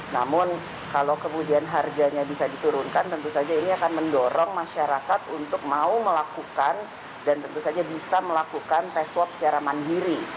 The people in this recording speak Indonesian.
namun kalau kemudian harganya bisa diturunkan tentu saja ini akan mendorong masyarakat untuk mau melakukan dan tentu saja bisa melakukan tes swab secara mandiri